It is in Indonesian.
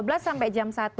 jam dua belas sampai jam satu